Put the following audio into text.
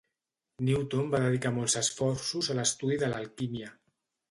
Newton va dedicar molts esforços a l’estudi de l’alquímia.